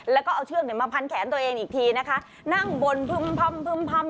แล้วก็เอาเชือกเนี่ยมาพันแขนตัวเองอีกทีนะคะนั่งบนพึ่มพำพึ่มพำ